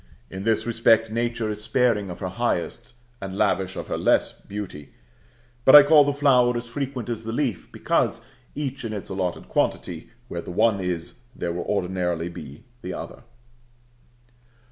In this respect Nature is sparing of her highest, and lavish of her less, beauty; but I call the flower as frequent as the leaf, because, each in its allotted quantity, where the one is, there will ordinarily be the other.